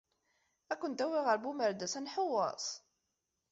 Ad kent-awiɣ ɣer Bumerdas ad nḥewweṣ?